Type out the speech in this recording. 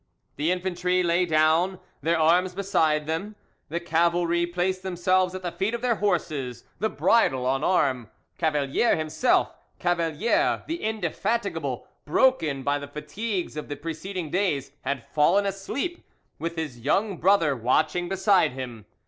The infantry lay down, their arms beside them; the cavalry placed themselves at the feet of their horses, the bridle on arm. Cavalier himself, Cavalier the indefatigable, broken by the fatigues of the preceding days, had fallen asleep, with his young brother watching beside him.